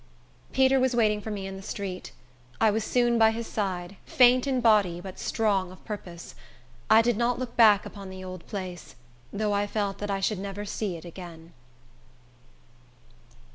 Peter was waiting for me in the street. I was soon by his side, faint in body, but strong of purpose. I did not look back upon the old place, though I felt that I should never see it again.